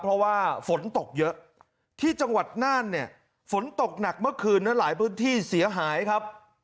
เพราะว่าฝนตกเยอะที่จังหวัดน่านเนี่ยฝนตกหนักเมื่อคืนนั้นหลายพื้นที่เสียหายครับ